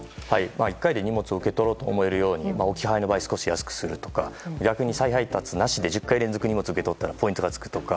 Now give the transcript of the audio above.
１回で荷物を受け取ろうと思えるように置き配の場合、少し安くするとか逆に再配達なしで１０回連続で荷物を受け取ったらポイントがつくとか。